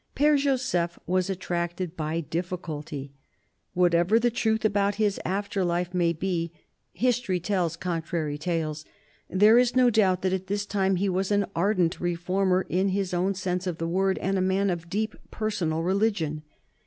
Pere Joseph was attracted by difficulty. Whatever the truth about his after life may be — history tells contrary tales — there is no doubt that at this time he was an ardent reformer in his own sense of the word and a man of deep personal religion.